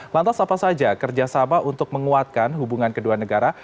lantas apa saja kerjasama untuk menguatkan hubungan kedua negara